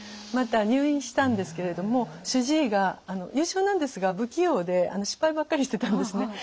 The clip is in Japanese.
また入院したんですけれども主治医が優秀なんですが不器用で失敗ばっかりしてたんですね。